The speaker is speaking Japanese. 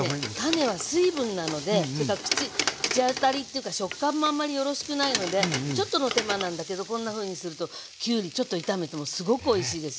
種は水分なのでというか口当たりというか食感もあんまりよろしくないのでちょっとの手間なんだけどこんなふうにするときゅうりちょっと炒めてもすごくおいしいですよ。